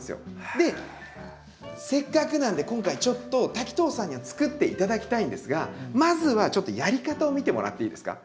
でせっかくなんで今回ちょっと滝藤さんにはつくって頂きたいんですがまずはちょっとやり方を見てもらっていいですか。